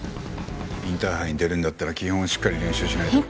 インターハイに出るんだったら基本をしっかり練習しないと。